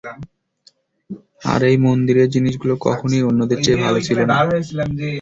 আর এই মন্দিরের জিনিসগুলো কখনোই অন্যদের চেয়ে ভালো ছিল না।